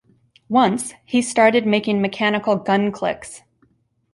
Once, he started making mechanical gun clicks.